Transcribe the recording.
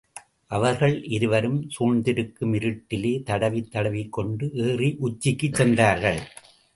அவர்கள் இருவரும், சூழ்ந்திருக்கும் இருட்டிலே தட்டித் தடவிக் கொண்டு ஏறி உச்சிக்குச் சென்றார்கள்.